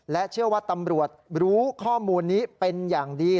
เชื่อว่าตำรวจรู้ข้อมูลนี้เป็นอย่างดี